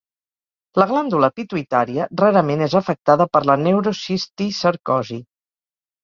La glàndula pituïtària rarament és afectada per la neurocisticercosi.